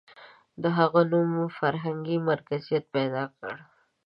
• د هغه نوم فرهنګي مرکزیت پیدا کړ.